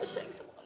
oh sayang semuanya